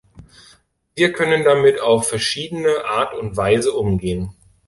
Wir können damit auf verschiedene Art und Weise umgehen.